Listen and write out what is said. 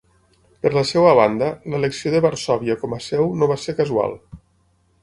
Per la seva banda, l'elecció de Varsòvia com a seu no va ser casual.